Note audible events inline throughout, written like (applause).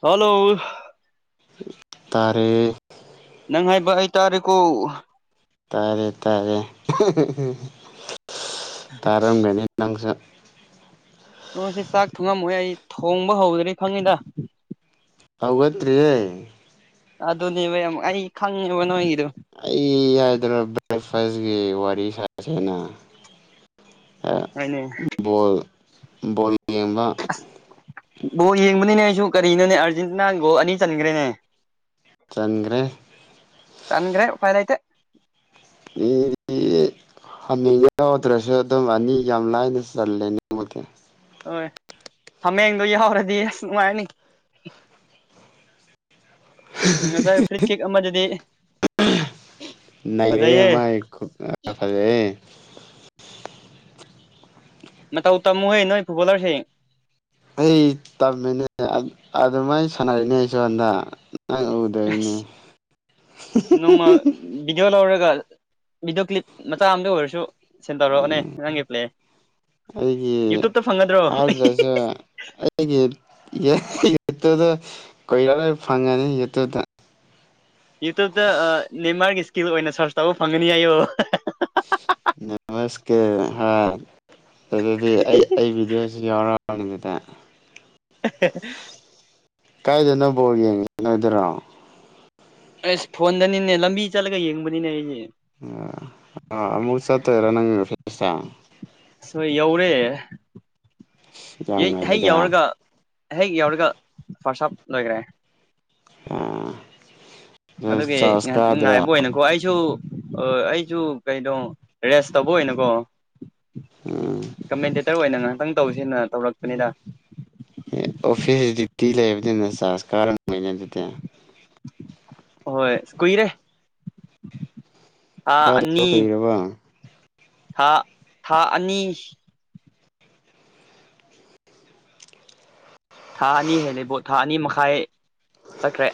(unintelligible) Hello ꯇꯔꯦ ꯅꯪ ꯍꯥꯏꯕ ꯍꯥꯏꯇꯥꯔꯦꯀꯣ ꯇꯥꯔꯦ ꯇꯥꯔꯦ ꯇꯥꯔꯝꯒꯅꯤ ꯅꯪꯁꯨ ꯅ ꯁꯤ ꯆꯥꯛ ꯊꯨꯡꯉꯝꯃꯣꯏ ꯑꯩ ꯊꯣꯡꯕ ꯍꯧꯗ꯭ꯔꯦ ꯈꯪꯉꯤꯗ ꯍꯧꯒꯠꯇ꯭ꯔꯤ ꯑꯗꯨꯅꯦꯕ ꯌꯥꯝ ꯑꯩ ꯈꯪꯉꯦꯕ ꯅꯣꯏꯒꯤꯗꯤ ꯑꯩ ꯍꯥꯏꯗꯅꯣ ꯕ꯭ꯔꯦꯛꯐꯥꯁꯀꯤ ꯋꯥꯔꯤ ꯁꯥꯁꯦꯅ ꯍꯣꯏꯅꯦ (unintelligible) ꯕꯣꯜ ꯌꯦꯡꯕꯅꯤꯅꯦ ꯑꯩꯁꯨ ꯀꯔꯤꯅꯣꯅꯦ ꯑꯥꯔꯖꯦꯟꯇꯤꯅꯥ ꯒꯣꯜ ꯑꯅꯤ ꯆꯟꯈ꯭ꯔꯦꯅꯦ ꯆꯟꯈ꯭ꯔꯦ ꯆꯟꯒ꯭ꯔꯦ ꯎꯄꯥꯏꯂꯩꯇꯦ꯫ ꯃꯤ (inaudible) ꯍꯟꯅꯤꯡꯉ ꯌꯥꯎꯗ꯭ꯔꯁꯨ ꯑꯗꯨꯝ ꯑꯅꯤ ꯌꯥꯝ ꯂꯥꯏꯅ ꯆꯜꯂꯦ ꯅꯃꯗꯤ ꯍꯣꯏ ꯍꯥꯃꯦꯡꯗꯣ ꯌꯥꯍꯧꯔꯗꯤ ꯑꯁ ꯅꯨꯡꯉꯥꯏꯅꯤ ꯉꯁꯥꯏꯦ ꯐ꯭ꯔꯤꯠ ꯀꯤꯛ ꯑꯃꯗꯨꯗꯤ ꯅꯔꯦꯃ ꯐꯖꯦ ꯃꯇꯧ ꯇꯝꯃꯨꯍꯩ ꯅꯣꯏ ꯐꯨꯠꯕꯣꯂꯔꯁꯤꯡ ꯑꯩ ꯇꯝꯃꯤꯅꯦ ꯑꯗꯨꯃꯥꯏꯅ ꯁꯥꯟꯅꯔꯤꯅꯦ ꯑꯩꯁꯨ ꯍꯟꯗ ꯅꯣꯡꯃ ꯚꯗꯤꯑꯣ ꯂꯧꯔꯒ ꯚꯗꯤꯑꯣ ꯀ꯭ꯂꯤꯞ ꯃꯆꯥ ꯑꯝꯗ ꯑꯣꯏꯔꯁꯨ ꯁꯦꯟ ꯇꯧꯔꯛꯑꯣꯅꯦ ꯅꯪꯒꯤ ꯄ꯭ꯂꯦ ꯑꯩꯒꯤ ꯌꯨꯇ꯭ꯌꯨꯕꯇ ꯐꯪꯒꯗ꯭ꯔꯣ ꯑꯗꯁꯦ ꯑꯩꯒꯤ ꯌꯦ ꯌꯦꯠꯇꯨꯗ ꯀꯣꯏꯔꯥ ꯂꯣꯏ ꯐꯪꯉꯅꯤ ꯌꯦꯠꯇꯨꯗ ꯌꯨꯇꯕꯇ ꯅꯦꯟꯃꯥꯔꯒꯤ ꯏꯁꯀꯤꯜ ꯑꯣꯏꯅ ꯁꯔꯁ ꯇꯧꯕ ꯐꯪꯒꯅꯤ ꯍꯥꯏꯏꯌꯣ ꯅꯃꯁꯀꯦ ꯍꯥꯥ ꯑꯗꯨꯗꯤ ꯑꯩ ꯑꯩ ꯚꯤꯗꯤꯑꯣꯁꯤ ꯌꯥꯎꯔꯛꯑꯅꯤꯗꯨꯗ (unintelligible) ꯀꯥꯏꯗꯅ ꯅꯕꯕꯣ ꯌꯦꯡꯉ ꯅꯗꯔꯣ ꯑꯁ ꯐꯣꯟꯗꯅꯤꯅꯦ ꯂꯝꯕꯤ ꯆꯠꯂꯒ ꯌꯦꯡꯕꯅꯤꯅꯦ ꯑꯩꯁꯦ ꯑꯃꯨꯛ ꯁꯥ ꯔꯅꯤꯡ ꯐ ꯑꯁ ꯍꯣꯏ ꯌꯧꯔꯦ ꯌꯥꯝ ꯍꯌꯦ ꯉꯜꯂꯤꯗ ꯌꯥꯧꯔꯒ ꯍꯦꯛ ꯌꯧꯔꯒ ꯐꯥꯔꯁ ꯑꯞ ꯂꯣꯏꯈ꯭ꯔꯦ ꯑ ꯑꯗꯨꯒꯤ ꯉꯥꯏꯍꯥꯛ ꯉꯥꯏꯕ ꯑꯣꯏꯅꯀꯣ ꯑꯩꯁꯨ ꯑꯣ ꯑꯩꯁꯨ ꯀꯩꯅꯣ ꯔꯦꯁ ꯇꯧꯕ ꯑꯣꯏꯅꯀꯣ ꯎꯝ ꯀꯃꯦꯟꯇꯦꯇꯔ ꯑꯣꯏꯅ ꯉꯍꯥꯛꯇꯪ ꯇꯧꯁꯤꯅ ꯑꯣꯐꯤꯁ ꯗꯌꯇꯤ ꯂꯩꯕꯅ ꯁꯥꯥꯁꯀꯥ ꯃꯅꯦꯗꯨꯇꯦ ꯍꯣꯏ ꯀ ꯀꯨꯏꯔꯦ ꯊꯥ ꯀꯗ ꯑꯅꯤ ꯀꯩꯔꯔꯕ ꯊꯥ ꯊꯥ ꯑꯅꯤ ꯊꯥ ꯑꯅꯤ ꯍꯦꯜꯂꯤꯦꯕꯣ ꯊꯥ ꯑꯅꯤ ꯃꯈꯥꯏ ꯆꯠꯈ꯭ꯔꯦ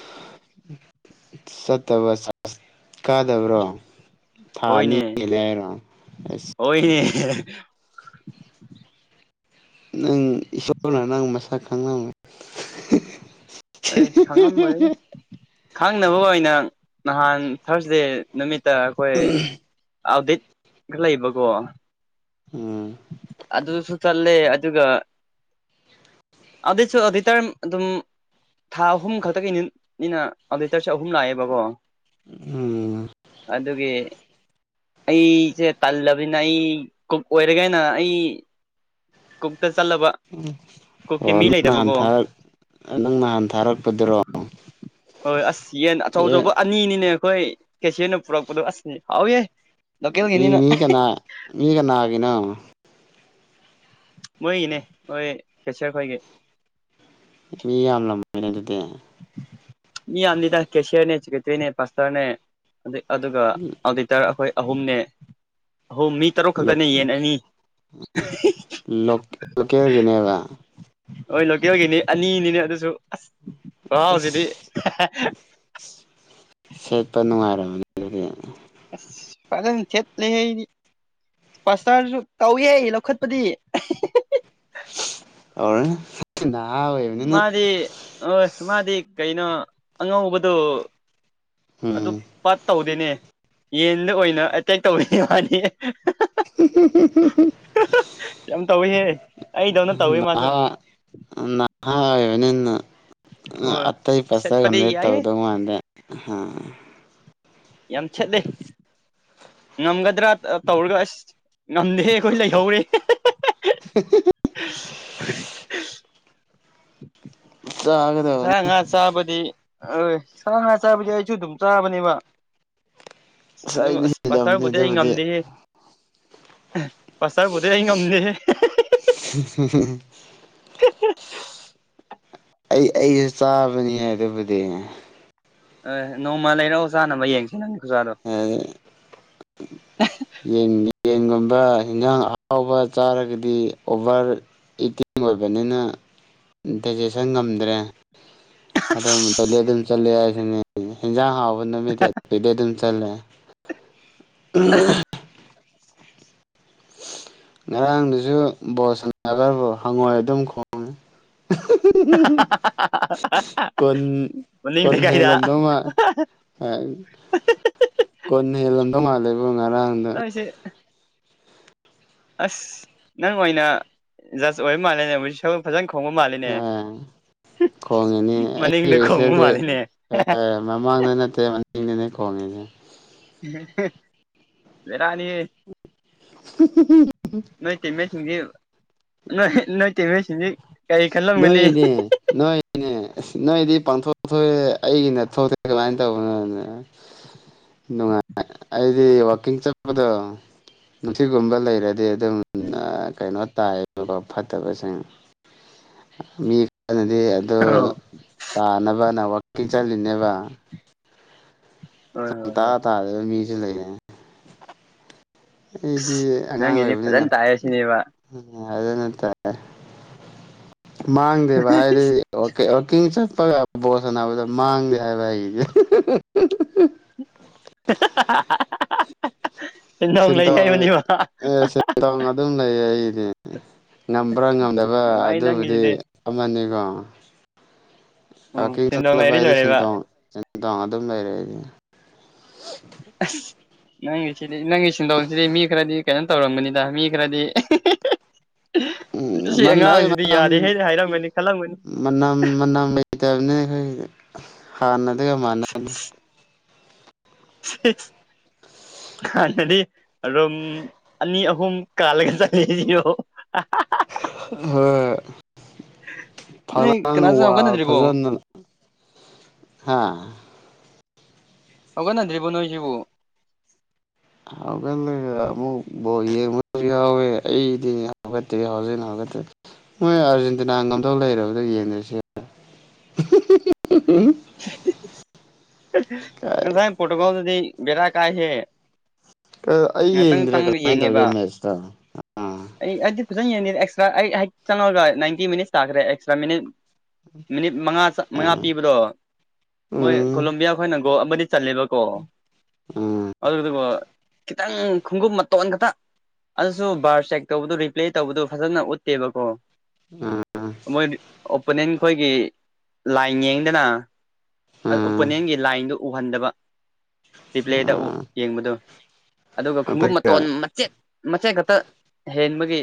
ꯁꯠꯇꯕꯁ ꯀꯥꯗꯕ꯭ꯔꯣ ꯊꯥꯅꯤ ꯍꯣꯏꯅꯦ ꯍꯂꯦ ꯍꯥꯏꯔꯣ ꯑꯁ (unintelligible) ꯅꯪ ꯏꯁꯁꯣꯔꯅ ꯅꯪ ꯃꯁ ꯈꯪꯅꯉ ꯑꯁ ꯈꯪꯉꯝꯕꯣꯏꯅ ꯈꯪꯅꯕ ꯑꯣꯏꯅ ꯅꯍꯥꯟ ꯊꯥꯔꯁꯗꯦ ꯅꯨꯃꯤꯠꯇ ꯑꯩꯈꯣꯏ ꯑꯥꯎꯠꯗꯦꯠ ꯈ ꯂꯩꯕꯀꯣ ꯎꯝ ꯑꯗꯨꯁꯨ ꯆꯜꯂꯦ ꯑꯗꯨꯒ ꯑꯗꯤꯁꯨ ꯑꯗꯨꯗꯤ ꯇꯔꯝ ꯑꯗꯨꯝ ꯊꯥ ꯑꯍꯨꯝ ꯈꯛꯇꯒꯤꯠꯅꯤꯅ ꯑꯗꯨꯇꯔꯁꯦꯠ ꯑꯍꯨꯝ ꯂꯥꯛꯑꯦꯕꯀꯣ ꯎꯝ ꯑꯗꯨꯒꯤ ꯑꯩꯁꯦ ꯇꯜꯂꯕꯤꯅ ꯑꯩ ꯀꯨꯞ ꯑꯣꯏꯔꯒꯅ ꯑꯩ ꯀꯣꯛꯛꯇ ꯆꯠꯂꯕ ꯑꯣ ꯀꯨꯛꯀꯤ ꯃꯤ ꯅꯪ ꯅꯍꯥꯟ ꯂꯩꯇꯕꯀꯣ ꯊꯥꯔꯛ ꯅꯪ ꯅꯍꯥꯟ ꯊꯥꯔꯛꯄꯗꯨꯔꯣ ꯍꯣꯏ ꯑꯁ ꯌꯦꯟ ꯑꯆꯧ ꯑꯦ ꯑꯆꯧꯕ ꯑꯅꯤꯅꯤꯅꯦ ꯑꯩꯈꯣꯏ ꯀꯦꯁꯤꯌꯔꯅ ꯄꯨꯔꯛꯄꯗꯣ ꯑꯁꯅꯤ ꯍꯥꯎꯌꯦꯦ ꯃꯤ ꯃꯤ ꯀꯅꯥ ꯃꯤ ꯀꯅꯥꯒꯤꯅꯣ ꯃꯣꯏꯒꯤꯅꯦ ꯍꯣꯏ ꯀꯦꯆꯔ ꯈꯣꯏꯒꯤ ꯃꯤ ꯌꯥꯝꯂꯝꯃꯅꯦ ꯑꯗꯨꯗꯤ ꯃꯤ ꯌꯥꯝ ꯂꯤꯗ ꯀꯦꯁꯤꯌꯥꯔꯅꯦ ꯆꯇ꯭ꯅꯦ ꯄꯥꯁꯔꯅꯦ ꯑꯗꯨꯒ ꯑꯣꯗꯤꯇꯔ ꯑꯩꯈꯣꯏ ꯑꯍꯨꯝꯅꯦ ꯑꯣ ꯃꯤ ꯇꯔꯨꯛ ꯈꯛꯇꯅꯦ ꯌꯦꯟ ꯑꯅꯤ ꯎ ꯂꯣꯀꯦꯜꯒꯤꯅꯦꯕ ꯍꯣꯏ ꯂꯣꯀꯦꯜꯒꯤꯅꯤ ꯑꯅꯤꯅꯤꯅꯦ ꯑꯗꯨꯁꯨ ꯑꯁ ꯥꯎ ꯍꯧꯖꯤꯗꯤ ꯑꯁ (unintelligible) ꯁꯦꯠꯄ ꯅꯨꯡꯉꯥꯏꯔꯕꯅꯤ ꯑꯗꯨꯗꯤ ꯑꯁ ꯐꯂ ꯆꯠ ꯂꯩ ꯍꯥꯏ ꯄꯥꯁꯇꯔꯁꯨ ꯇꯧꯋꯦ ꯑꯩ ꯂꯧꯈꯠꯄꯗꯤ ꯑꯣꯔ ꯃꯥꯗꯤ ꯍ ꯃꯥꯗꯤ ꯀꯩꯅꯣ ꯑꯉꯧꯕꯗꯨꯣ ꯑꯗꯨ ꯎꯝ ꯄ ꯇꯧꯗꯦꯅꯦ ꯌꯦꯟꯗ ꯑꯣꯏꯅ ꯑꯦꯇꯦꯛ ꯇꯧꯕꯅꯤ ꯋꯥꯅꯤ (unintelligible) ꯌꯥꯝ ꯇꯧꯋꯤꯍꯦ ꯑꯩꯗꯧꯅ ꯇꯧꯋꯤ ꯃꯥꯁꯨ ꯍꯥꯏꯕ ꯅꯅ ꯍꯣꯏ ꯑꯇꯩ ꯁꯦꯠꯄꯗꯤ ꯄꯁꯇꯒꯗꯩ ꯌꯥꯏꯍꯦ ꯇꯧꯗꯧ ꯃꯥꯟꯗꯦ ꯍꯥꯝ ꯌꯥꯝ ꯆꯦꯠꯗꯦ ꯉꯝꯒꯗ꯭ꯔꯥ ꯇꯧꯔꯒ ꯑꯁ ꯉꯝꯗꯦ ꯑꯩꯈꯣꯏ ꯂꯩꯍꯧꯔꯦ (inaudible) (inaudible) ꯁ ꯆꯥꯒꯗꯕꯅꯤ ꯍꯉ ꯆꯕꯗꯤ ꯑ ꯁꯥ ꯉꯥ ꯆꯥꯕꯗꯤ ꯑꯩꯁꯨ ꯑꯗꯨꯝ ꯆꯥꯕꯅꯦꯕ ꯑꯗꯨ ꯑꯩꯅ ꯑꯁ ꯍꯦꯜꯂꯝꯅꯤ ꯄꯆꯥꯔꯕꯨꯗꯤ ꯑꯩ ꯑꯗꯨꯕꯨꯗꯤ ꯉꯝꯗꯦꯍꯦ ꯄꯁꯥꯕꯨꯗꯤꯦ ꯑꯩ ꯉꯝꯗꯦ (inaudible) ꯑꯩ ꯑꯩꯁꯨ ꯆꯥꯕꯅꯤ ꯍꯥꯏꯕꯨꯗꯤ (unintelligible) ꯂꯩꯔꯛꯑꯣ ꯆꯥꯅꯕ ꯌꯦꯡꯁꯤꯦ ꯅꯪ ꯈꯨꯖꯥꯗꯣ ꯌꯦꯟ ꯌꯦꯟꯒꯨꯝꯕ ꯏꯟꯖꯥꯡ ꯑꯍꯥꯎꯕ ꯆꯥꯔꯒꯗꯤ ꯑꯣꯚꯔ ꯏꯇꯤꯡ ꯑꯣꯏꯕꯅꯤꯅ ꯗꯥꯏꯖꯦꯁꯟ ꯉꯝꯗ꯭ꯔꯦ ꯑꯗꯨ ꯇꯗꯤ ꯑꯗꯨꯝ ꯆꯠꯂꯦ ꯍꯦꯟꯖꯥꯡ ꯍꯥꯎꯕ ꯅꯨꯃꯤꯠꯇ ꯄꯗꯤ ꯑꯗꯨꯝ ꯆꯠꯂꯦ (inaudible) ꯉꯔꯥꯡꯗꯨꯁꯨ ꯕꯣꯁ ꯅꯥꯒꯔꯕꯨ ꯍꯪꯉꯣꯏ ꯑꯗꯨꯝ ꯈꯣꯡꯉꯤ (inaudible) ꯀꯟ ꯃꯅꯤꯡ ꯀꯣꯟ ꯍ ꯂꯩꯀꯥꯏꯗ ꯂꯝꯗ ꯃꯥ ꯑ ꯀꯣꯟꯅ ꯍꯦꯜꯂꯝꯗꯧ ꯉꯥꯜ ꯂꯩꯕ ꯉꯔꯥꯡꯗ ꯅꯣꯏꯁꯦ ꯑꯁ ꯅꯪ ꯑꯣꯏꯅ ꯖꯁ ꯑꯣꯏꯕ ꯃꯥꯜꯂꯦꯅꯦ ꯍꯧ ꯁꯒꯜ ꯐꯖꯅ ꯈꯣꯡꯕ ꯃꯥꯜꯂꯤꯅꯦ ꯈꯣꯡꯉꯤꯅꯤ ꯃꯅꯤꯡꯗ ꯑꯩꯒꯤ ꯈꯣꯡꯕ ꯁꯦꯜꯗꯤ ꯃꯥꯜꯂꯤꯅꯦ ꯃꯃꯥꯡꯗ ꯅꯠꯇꯦ ꯏꯉꯦꯅꯦ ꯀꯂꯦꯜꯖꯦ ꯂꯩꯔꯅꯤꯌꯦ ꯅꯣꯏ ꯇꯃꯦꯁꯤꯡꯁꯤ ꯅꯣꯏ ꯅꯣꯏ ꯇꯃꯦꯁꯤꯡꯁꯤ ꯅꯣꯏꯅꯦ ꯅꯣꯏꯅꯦ ꯁ ꯅꯣꯏꯗꯤ ꯄꯥꯡꯊꯣꯛ ꯊꯣꯛꯑꯦ ꯑꯩꯒꯤ ꯅ ꯊꯣꯛꯇꯦ ꯀꯃꯥꯏꯅ ꯇꯧꯕꯅꯣꯅꯦ ꯅꯨꯡꯉꯥꯏ ꯑꯩꯗꯤ ꯋꯥꯛꯀꯤꯡ ꯆꯠꯄꯗꯣ ꯅꯨꯡꯁꯤꯒꯨꯝꯕ ꯂꯩꯔꯗꯤ ꯎꯝ ꯀꯩꯅꯣ ꯇꯥꯏꯌꯦꯕꯀꯣ ꯐꯠꯇꯕꯁꯤꯡ ꯃꯤ ꯑꯗꯨꯅꯗꯤ ꯑꯗꯨ ꯑꯣ ꯇꯥꯅꯕꯅ ꯋꯥꯛꯀꯤꯡ ꯆꯜꯂꯤꯠꯂꯤꯅꯦꯕ ꯍꯣꯏ ꯍꯣꯏ ꯇꯥ ꯍꯣꯏ ꯇꯥꯗꯕ ꯃꯤꯁꯨ ꯂꯩꯌꯦ ꯑꯩꯗꯤ ꯑꯉꯥꯡ ꯅꯪꯒꯤꯗꯤ ꯑꯣꯏꯔꯕꯅꯤꯅ ꯐꯖꯅ ꯇꯥꯛꯑꯦ ꯁꯤꯅꯦꯕ ꯑꯗꯨ ꯅ ꯇꯥꯏꯔꯦ ꯃꯥꯥꯡꯗꯦꯕ ꯍꯥꯏꯗꯤ ꯑꯣꯀꯤ ꯆꯠ ꯒ ꯕꯣꯁꯅꯥꯅꯕꯗ ꯃꯥꯡꯗꯦ ꯍꯥꯏꯕ ꯑꯩꯒꯤꯁꯦ ꯁꯤꯗ ꯂꯩ ꯍꯥꯏꯏ ꯁꯦꯟꯗꯣꯡ ꯃꯅꯤꯕ ꯑꯦ ꯁꯦ ꯇꯣꯡ ꯑꯗꯨꯝ ꯂꯩ ꯑꯩꯗꯤ ꯉꯝꯕ꯭ꯔꯥ ꯉꯝꯗꯕ꯭ꯔꯥ ꯅꯨꯡꯉꯥꯏ ꯑꯗꯨꯕꯨꯗꯤ ꯅꯪꯒꯤꯁꯤꯗꯤ ꯑꯃꯅꯤꯀꯣ ꯎꯝ ꯄꯥꯔꯀꯤꯡ ꯁꯦꯟꯗꯣꯡ ꯆꯠꯗꯕ ꯂꯩꯔꯗꯤ ꯍꯥꯏꯗꯤꯣꯡ ꯂꯣꯏꯔꯦꯕ ꯁꯤꯦꯟꯊꯣꯡ ꯑꯗꯨꯝ ꯂꯩꯔꯦ ꯑꯩꯗꯤ ꯅꯪꯁꯤ ꯅꯪꯤꯁꯤꯟ ꯇꯧꯅꯁꯤ ꯃꯤ ꯈꯔꯥꯗꯤ ꯀꯩꯅꯣ ꯇꯧꯔꯝꯒꯅꯤꯗ ꯃꯤ ꯈꯔꯗꯤ ꯎꯝ ꯁꯤ ꯃꯅꯃ ꯑꯉꯥꯡꯁꯤꯗꯤ ꯌꯥꯗꯦ ꯍꯦ ꯍꯥꯏꯔꯝꯒꯅꯤ ꯈꯜꯂꯝꯒꯅꯤ ꯃꯅꯥ ꯃ ꯂꯩ ꯍꯥꯥꯟꯅꯗꯒ ꯃꯅꯅ (inaudible) ꯍꯥꯟꯅꯗꯤ ꯑꯗꯨꯝ ꯑꯅꯤ ꯑꯍꯨꯝ ꯀꯥꯜꯂꯒ ꯆꯠꯂꯤꯁꯤꯣ ꯑ (inaudible) (inaudible) ꯐꯛꯥꯡ ꯀꯅꯥꯁꯨ ꯋꯥ ꯍꯧꯒꯠꯅꯗ꯭ꯔꯤꯕꯣ ꯐꯖꯅ ꯍꯥ ꯍꯧꯒꯠ ꯅꯟꯗ꯭ꯔꯤꯕꯣ ꯅꯣꯏ ꯁꯤꯕꯨ ꯍꯧꯒꯠꯂꯦ ꯑꯃꯨꯛ ꯕꯣꯜ ꯌꯦꯡꯕꯁꯨ ꯌꯥꯎꯋꯦ ꯑꯩꯗꯤ ꯍꯧꯒꯠꯇ꯭ꯔꯤ ꯍꯧꯖꯤꯛ ꯃꯣꯏ ꯑꯥꯔꯖꯦꯟꯇꯤꯅꯥ ꯉꯝꯗꯧ ꯂꯩꯔꯕꯗꯣ ꯌꯦꯡꯗ꯭ꯔꯁꯨ ꯌꯥꯢ ꯉꯁꯥꯏ ꯄ꯭ꯔꯣꯇꯨꯒꯣꯗꯨꯗꯤ ꯕꯦꯔꯥ ꯀꯥꯢꯍꯦ ꯑꯩ ꯉꯍꯥꯛꯇꯪ ꯌꯦꯡꯗ꯭ꯔꯦ ꯆꯪꯉ ꯀꯃꯥꯏꯅ ꯌꯦꯡꯉꯦꯕ ꯇꯧꯒꯦ ꯃꯦꯠꯁꯇꯣ ꯑꯥ ꯑꯩ ꯑꯗꯨ ꯐꯖꯅ ꯌꯦꯡꯗꯦꯗ ꯑꯦꯁꯇ꯭ꯔꯥ ꯑꯩ ꯍꯦꯛ ꯆꯪꯉꯒ ꯅꯥꯏꯟꯇꯤ ꯃꯤꯅꯤꯠꯁ ꯇꯥꯈ꯭ꯔꯦ ꯑꯦꯛꯁꯇ꯭ꯔꯥ ꯃꯤꯅꯤꯠ ꯃꯤꯅꯤꯠ ꯃꯉꯥ ꯃꯉꯥ ꯑꯥ ꯄꯤꯕꯗꯣ ꯃꯣꯏ ꯎꯝ ꯀꯣꯂꯣꯕꯤꯌꯥ ꯈꯣꯏꯅ ꯒꯣꯜ ꯑꯃꯗꯤ ꯆꯜꯂꯦꯕꯀꯣ ꯎꯝ ꯑꯗꯨꯗꯨꯒ ꯈꯤꯇꯪ ꯈꯣꯡꯒꯨꯞ ꯃꯇꯣꯟ ꯈꯛꯇ ꯑꯗꯨꯁꯨ ꯕꯥꯔ ꯆꯦꯛ ꯇꯧꯕꯗꯨ ꯔꯤꯄ꯭ꯂꯦ ꯇꯧꯕꯗꯨ ꯐꯖꯅ ꯎꯠꯇꯦꯕꯀꯣ ꯎꯝ ꯃꯣꯏ ꯑꯣꯄꯣꯅꯦꯟ ꯈꯣꯏꯒꯤ ꯂꯥꯏꯟ ꯌꯦꯡꯗꯅ ꯑ ꯎꯝ ꯑꯣꯄꯣꯅꯦꯟꯒꯤ ꯂꯥꯏꯟꯗꯨ ꯎꯍꯟꯗꯕ ꯔꯤꯄ꯭ꯂꯦꯗ ꯎꯝ ꯌꯦꯡꯕꯗꯣ ꯑꯗꯨꯒ ꯈꯣꯡꯎꯞ ꯃꯇꯣꯟ ꯃꯆꯦꯠ ꯃꯆꯦꯠ ꯈꯛꯇ ꯍꯦꯟꯕꯒꯤ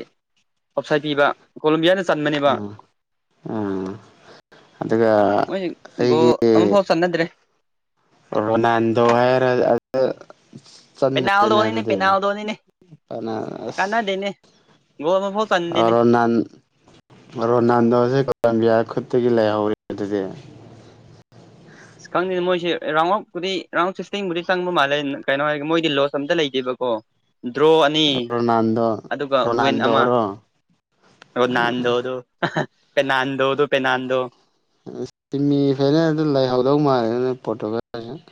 ꯑꯣꯞꯁꯥꯏ ꯄꯤꯕ ꯀꯣꯂꯣꯕꯤꯌꯥꯅ ꯆꯟꯕꯅꯦꯕ ꯎꯝ ꯎꯝ ꯑꯗꯨꯒ ꯑꯩꯒꯤ ꯑꯃ ꯐꯥꯎ ꯆꯟꯅꯗ꯭ꯔꯦ ꯔꯣꯅꯥꯟꯗꯣ ꯍꯥꯏꯔ ꯑꯗꯨ ꯆꯟꯗꯦꯅꯦ ꯄꯦꯅꯥꯜꯗꯣꯅꯤꯅꯦ ꯑꯗꯨꯗꯤ ꯄꯦꯅꯥꯜꯗꯣꯅꯤꯅꯦ ꯀꯅꯥ ꯑꯁ ꯀꯥꯟꯅꯗꯦꯅꯦ ꯒꯣꯜ ꯑꯃꯐꯥꯎ ꯆꯟꯗꯦꯅꯦ ꯔꯣꯅꯥꯟ ꯔꯣꯅꯥꯟꯗꯣꯁꯦ ꯀꯣꯂꯣꯝꯕꯤꯌꯥ ꯈꯨꯨꯠ ꯇꯒꯤ ꯂꯩꯍꯧꯔꯦ ꯑꯗꯨꯗꯤ ꯑꯁ ꯈꯪꯗꯦꯅ ꯃꯣꯏꯁꯦ ꯔꯥꯎꯟ ꯑꯐꯄꯨꯗꯤ ꯔꯥꯎꯟ ꯁꯤꯛꯁꯇꯤꯟꯕꯨꯗꯤ ꯆꯪꯕ ꯃꯥꯜꯂꯦ ꯀꯩꯅꯣ ꯍꯥꯏꯔꯒꯦ ꯃꯣꯏꯗꯤ ꯂꯣꯁ ꯑꯝꯇ ꯂꯩꯇꯦꯕ ꯀꯣ ꯗ꯭ꯔꯣ ꯑꯅꯤ ꯔꯣꯅꯥꯜꯗꯣ ꯑꯗꯨꯒ ꯋꯤꯟ ꯑꯃ ꯔꯣꯅꯥꯜꯗꯣꯔꯣ ꯔꯣꯅꯥꯟꯗꯣꯗꯨ ꯄꯦꯅꯥꯥꯟꯗꯣꯗꯨ ꯄꯦꯅꯥꯥꯟꯗꯣ ꯁꯃꯤ (unintelligible) ꯑꯗꯨ ꯂꯩꯍꯧꯗꯧ ꯃꯥꯜꯂꯦꯗ ꯄꯣꯇꯣꯒꯜ (unintelligible)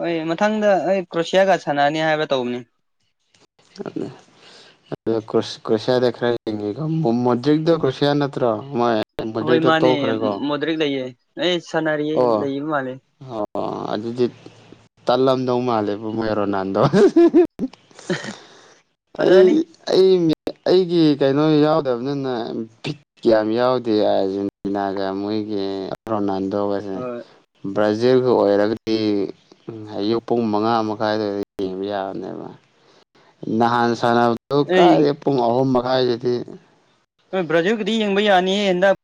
ꯍꯣꯏ ꯃꯊꯪꯗ ꯑꯩ ꯀ꯭ꯔꯣꯁꯤꯌꯥꯒ ꯁꯥꯟꯅꯅꯤ ꯍꯥꯏꯕ ꯇꯧꯕꯅꯦ (unintelligible) ꯑ ꯀ꯭ꯔꯣ ꯀ꯭ꯔꯣꯁꯤꯌꯥꯗ ꯈ꯭ꯔ (unintelligible) ꯀ꯭ꯔꯣꯁꯤꯌꯥ ꯅꯠꯇꯔꯣ ꯃꯣꯢ ꯍꯣꯏ ꯃꯥꯅꯦ ꯃꯣꯗꯔꯤꯛ ꯂꯩꯌꯦ ꯑꯦ ꯁꯥꯟꯅꯔꯤ ꯑꯣ ꯂꯩꯕ ꯃꯥꯜꯂꯦ ꯑꯣ ꯑꯗꯨꯗꯤ ꯇꯠꯂꯝꯗꯧ ꯃꯥꯜꯂꯦꯕꯨ ꯃꯣꯏ ꯔꯣꯅꯥꯟꯗꯣ ꯑꯩ ꯐꯖꯔꯅꯤ ꯑꯩ ꯑꯩꯒꯤ ꯀꯩꯅꯣ ꯌꯥꯎꯗꯕꯅꯤꯅ ꯕꯤꯠ ꯀꯌꯥꯝ ꯌꯥꯎꯗꯦ ꯑꯥꯔꯖꯦꯟꯇꯤꯅꯥꯒ ꯃꯣꯏ ꯑꯩꯈꯣꯏꯒꯤ ꯔꯣꯅꯥꯟꯗꯣꯒꯁꯦ ꯍꯣꯏ ꯕ꯭ꯔꯥꯖꯤꯜꯒꯤ ꯑꯣꯏꯔꯒꯗꯤ ꯑꯌꯨꯛ ꯄꯨꯡ ꯃꯉꯥ ꯃꯈꯥꯏ ꯑꯗꯋꯥꯗ ꯌꯦꯡꯕ ꯌꯥꯕꯅꯦꯕ ꯅꯍꯥꯟ ꯁꯥꯟꯅꯕꯗꯨ ꯑꯩ ꯀꯥꯏꯗꯩ ꯄꯨꯡ ꯑꯍꯨꯝ ꯃꯈꯥꯏꯗꯗꯤ ꯕ꯭ꯔꯥꯖꯤꯜꯒꯤꯗꯤ ꯌꯦꯡꯕ ꯌꯥꯅꯤꯌꯦ ꯍꯟꯗꯛ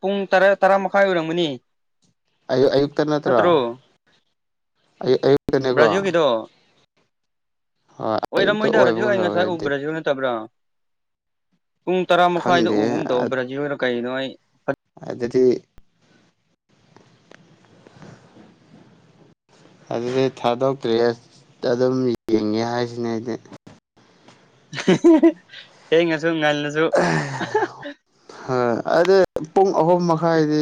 ꯄꯨꯡ ꯇꯔꯥ ꯇꯔꯥꯃꯈꯥꯏ ꯑꯣꯏꯔꯝꯒꯅꯤ ꯑꯌꯨꯛ ꯑꯌꯨꯛꯇ ꯅꯠꯇ꯭ꯔꯣ ꯑꯌꯨꯛ ꯑꯌꯨꯛꯇꯅꯤꯀꯣ ꯑꯣꯏꯔꯃꯣꯏ ꯑꯣꯏꯕꯒꯨꯝ ꯇꯧꯋꯦ ꯗꯦꯠ (unintelligible) ꯅꯠꯇꯕ꯭ꯔꯣ ꯄꯨꯡ ꯇꯔꯥ ꯃꯈꯥꯏꯗ ꯈꯪꯗꯦ ꯎꯕ ꯑꯃ ꯇꯧ ꯕ꯭ꯔꯥꯖꯤꯜꯂꯣ ꯀꯩꯅꯣ ꯑꯩ ꯑꯗꯨꯗꯤ (inaudible) ꯑꯗꯨꯗꯤ ꯊꯥꯗꯣꯛꯇ꯭ꯔꯦ ꯑꯁ ꯑꯗꯨꯝ ꯌꯦꯡꯉꯦ ꯍꯥꯏꯁꯤꯅꯦ ꯑꯩꯗꯤ ꯊꯦꯡꯉꯁꯨ ꯉꯜꯂꯁꯨ ꯑꯗꯨꯗ ꯄꯨꯡ ꯑꯍꯨꯝ ꯃꯈꯥꯏꯗꯤ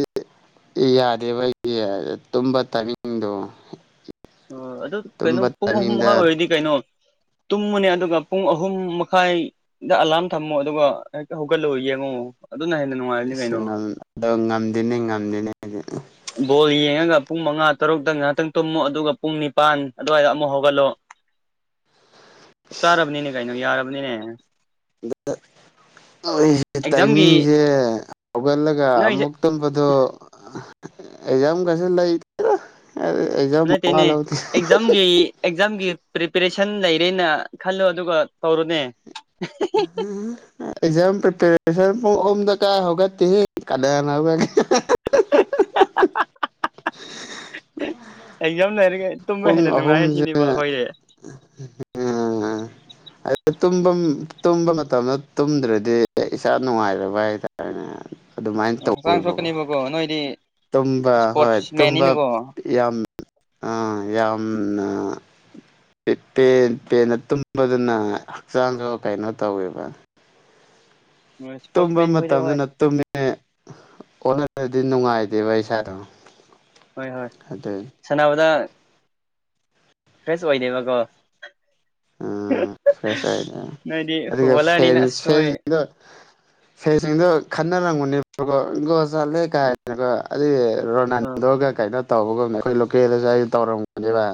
ꯌꯥꯗꯦꯕ ꯑꯩꯒꯤ ꯇꯨꯝꯕ ꯇꯥꯏꯃꯤꯡꯗꯣ ꯑꯣ ꯑꯗꯨ ꯀꯩꯅꯣ ꯇꯨꯝꯕ ꯄꯨꯡ ꯑꯍꯨꯝ ꯃꯈꯥꯏ ꯇꯥꯏꯃꯤꯡꯗ ꯑꯣꯏꯔꯗꯤ ꯀꯩꯅꯣ ꯇꯨꯝꯃꯅꯦ ꯑꯗꯨꯒ ꯄꯨꯡ ꯑꯍꯨꯝ ꯃꯈꯥꯏꯗ ꯑꯂꯥꯝ ꯊꯝꯃꯣ ꯑꯗꯨꯒ ꯍꯛꯇ ꯍꯧꯒꯠꯂꯨ ꯌꯦꯡꯉꯣ ꯑꯗꯨꯅ ꯍꯦꯟꯅ ꯅꯨꯡꯉꯥꯏꯕꯅꯤ ꯑꯩꯁ ꯀꯩꯅꯣ ꯉꯝꯗꯦꯅꯦ ꯉꯝꯗꯦꯅꯦ ꯑꯩꯗꯤ ꯕꯣꯜ ꯌꯦꯡꯉꯒ ꯄꯨꯡ ꯃꯉꯥ ꯇꯔꯨꯛꯇ ꯉꯥꯏꯍꯥꯛꯇꯪ ꯇꯨꯝꯃꯣ ꯑꯗꯨꯒ ꯄꯨꯡ ꯅꯤꯄꯥꯟ ꯑꯗꯨꯋꯥꯏꯗ ꯑꯃꯨꯛ ꯍꯧꯒꯠꯂꯣ ꯆꯞ ꯆꯥꯔꯕꯅꯤꯅꯦ ꯀꯩꯅꯣ ꯌꯥꯔꯕꯅꯤꯅꯦ ꯑꯗꯨ ꯑꯦꯛꯖꯥꯝꯒꯤ ꯇꯥꯏꯃꯤꯡꯁꯦ ꯍꯧꯒꯠꯂꯒ ꯅꯣꯏꯁꯦ ꯑꯃꯨꯛ ꯇꯝꯕꯗꯣ ꯑꯦꯖꯝꯒꯁꯤ ꯂꯩꯔ ꯅꯠꯇꯅꯦ ꯑꯦꯛꯖꯥꯝꯒꯤ ꯑꯦꯛꯖꯝꯒꯤ ꯄ꯭ꯔꯤꯄꯦꯔꯦꯁꯟ ꯂꯩꯔꯦꯅ ꯈꯜꯂꯣ ꯑꯗꯨꯒ ꯇꯧꯔꯨꯅꯦ ꯑꯦꯛꯖꯝ ꯄꯔꯤꯄꯦꯔꯦꯁꯟ ꯑꯣꯣꯨꯝ ꯗꯀꯥ ꯍꯧꯒꯠꯗꯤ ꯍꯦ ꯀꯗꯥꯅꯕ ꯑꯦꯛꯖꯥꯝ ꯂꯩꯔꯒ ꯇꯨꯝꯕ ꯄꯨꯡ ꯍꯦꯟꯅ ꯅꯨꯡꯉꯥꯏꯔꯦ ꯁꯤꯅꯦꯕ ꯑꯍꯨꯝꯁꯦꯝ ꯑꯩꯈꯣꯏꯗꯤ (unintelligible) ꯇꯨꯝꯕ ꯃꯇꯝꯗ ꯇꯨꯝꯗ꯭ꯔꯗꯤ ꯏꯁꯥ ꯅꯨꯡꯉꯥꯏꯔꯕ ꯍꯥꯏꯇꯥꯔꯦꯅꯦ ꯑꯗꯨꯃꯥꯏꯅ ꯎꯝ ꯍꯛꯆꯥꯡ ꯇꯧꯋꯦꯕꯀꯣ ꯁꯣꯛꯀꯅꯦꯕꯀꯣ ꯅꯣꯏꯗꯤ ꯇꯨꯝꯕ ꯍꯣꯏ ꯏꯁꯄꯣꯔꯠꯁ ꯇꯨꯝꯕ ꯃꯦꯟꯅꯤꯅꯀꯣ ꯌꯥꯝ ꯑꯥ ꯌꯥꯝ ꯄ ꯅꯠꯇꯨꯝ ꯑꯗꯨꯗꯨꯅ ꯍꯛꯆꯥꯡꯁꯨ ꯀꯩꯅꯣ ꯇꯧꯋꯦꯕ ꯏꯁꯄꯣꯔꯠꯁ ꯇꯨꯝꯕ ꯃꯦꯟ ꯈꯣꯏꯗꯤ ꯍꯣꯏ ꯃꯇꯝꯗꯅ ꯇꯨꯝꯃꯤꯅꯦ ꯑꯗꯨ ꯅꯨꯡꯉꯥꯏꯗꯦꯕ ꯏꯁꯥꯗꯣ ꯍꯣꯏ ꯍꯣꯏ ꯑꯗꯨꯏ ꯁꯥꯟꯅꯕꯗ ꯐ꯭ꯔꯦꯁ ꯑꯣꯏꯗꯦꯕꯀꯣ ꯎꯝ ꯐ꯭ꯔꯦꯁꯗ ꯅꯣꯏꯗꯤ ꯑꯗꯨꯒ ꯐꯦꯟ ꯐꯨꯠꯕꯣꯂꯔꯅꯤꯅ ꯑꯁ ꯅꯣꯏ ꯐꯦꯟꯁꯤꯗ ꯐꯦꯁꯤꯡꯗꯣ ꯈꯟꯅꯔꯝꯒꯨꯅꯦ ꯆꯠꯂꯦ ꯀꯥꯏꯅꯀꯣ ꯑꯗꯨꯗꯤ ꯔꯣꯅꯥꯟꯗꯣꯒ ꯀꯩꯅꯣ ꯇꯧꯕꯒꯨꯝꯗ ꯑꯩꯈꯣꯏ ꯂꯣꯀꯦꯜꯗꯁꯨ ꯑꯩꯁꯨ ꯇꯧꯔꯝꯒꯅꯦꯕ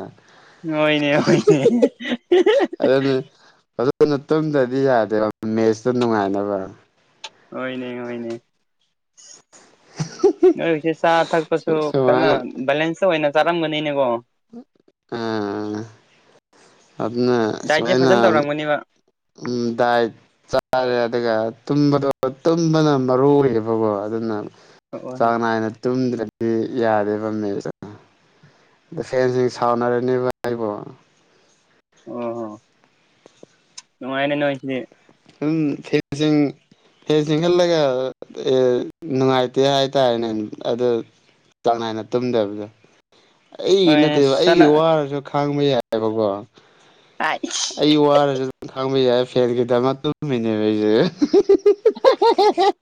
ꯍꯣꯏꯅꯦ ꯍꯣꯏꯅꯦ ꯑꯗꯨ ꯑꯗꯨꯅ ꯇꯨꯝꯗ꯭ꯔꯗꯤ ꯌꯥꯗꯦꯕ ꯃꯦꯠꯁꯇ ꯅꯨꯡꯉꯥꯏꯅꯕ ꯑꯣꯏꯣꯏꯅꯦ ꯑꯣꯏꯣꯏꯅꯦ ꯅꯣꯏꯁꯦ ꯆꯥ ꯊꯛꯄꯁꯨ ꯀꯩꯅ ꯁꯨꯃꯥꯏꯅ ꯕꯦꯂꯦꯟꯁꯇ ꯑꯣꯏꯅ ꯆꯥꯔꯝꯒꯅꯤꯅꯦꯀꯣ ꯑꯥ ꯅ ꯗꯥꯏꯠꯁꯦ ꯁꯥꯏꯅ ꯐꯖꯅ ꯇꯧꯔꯝꯒꯅꯦꯕ ꯎ ꯗꯥꯏ ꯆꯥꯦ ꯑꯗꯨꯒꯒ ꯇꯨꯝꯕꯗꯣ ꯇꯨꯝꯕꯅ ꯃꯔꯨꯌꯦꯕꯀꯣ ꯑꯗꯨꯅ ꯑꯣ ꯑꯣ ꯆꯥꯡ ꯅꯥꯏꯅ ꯇꯨꯝꯗ꯭ꯔꯗꯤ ꯌꯥꯗꯦꯕ ꯃ ꯑ ꯐꯦꯟꯁꯤꯡ ꯁꯥꯎꯅꯔꯅꯦꯕ ꯑꯩꯕꯣ ꯑꯣ ꯍꯣꯉꯥꯏꯅꯅꯣꯏꯁꯤꯗꯤ ꯑꯗꯨꯝ ꯐꯤꯁꯤꯡ ꯍꯦ ꯆꯤꯡꯈꯠꯂꯒ ꯅꯨꯡꯉꯥꯏꯇꯦ ꯍꯥꯏꯇꯥꯔꯦꯅꯦ ꯑꯗꯨ ꯆꯥꯡꯅꯥꯏꯅ ꯇꯨꯝꯗꯕꯗꯣ ꯑꯩꯒꯤ ꯍꯣꯏ ꯅꯠꯇꯦꯕ ꯑꯩꯒꯤ ꯁꯅ ꯋꯥꯔꯁꯨ ꯈꯥꯡꯕ ꯌꯥꯏꯑꯕꯀꯣ ꯑꯥꯏꯁ ꯑꯩ ꯋꯥꯔꯁꯨ ꯑꯗꯨꯝ ꯈꯪꯕ ꯌꯥꯏ ꯐꯦꯟ ꯈꯤꯇꯪꯃꯛ ꯇꯨꯝꯃꯤꯅꯦꯕ ꯑꯩꯁꯦ (unintelligible)